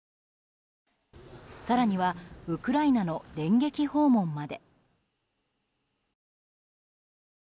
更にはウクライナの電撃訪問まで。